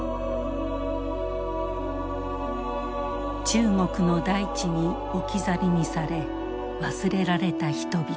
中国の大地に置き去りにされ忘れられた人々。